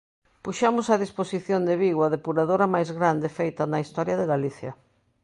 Puxemos á disposición de Vigo a depuradora máis grande feita na historia de Galicia.